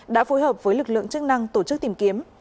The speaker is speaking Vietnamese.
đã phối hợp với lực lượng chức năng tổ chức tìm kiếm